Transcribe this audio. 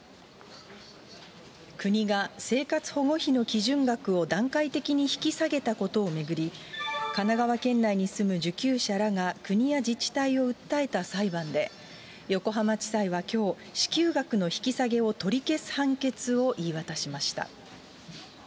国が生活保護費の基準額を段階的に引き下げたことを巡り、神奈川県内に住む受給者らが、国や自治体を訴えた裁判で、横浜地裁はきょう、支給額の引き下げを取り消す判決を言い渡しました。